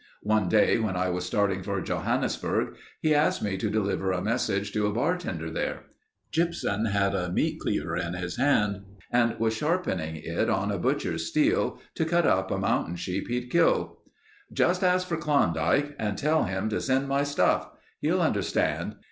One day when I was starting for Johannesburg, he asked me to deliver a message to a bartender there. Gypsum had a meat cleaver in his hand and was sharpening it on a butcher's steel to cut up a mountain sheep he'd killed. "'Just ask for Klondike and tell him to send my stuff. He'll understand.